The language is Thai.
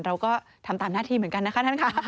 เราก็ทำตามหน้าที่เหมือนกันนะคะท่านค่ะ